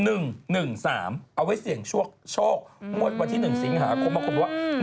เอาไว้เสี่ยงช่วงโมทวันที่๑สิงหาความมาความรู้ว่า